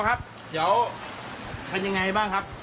ครับเดี๋ยวเป็นยังไงบ้างครับ